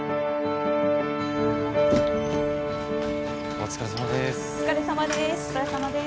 お疲れさまです。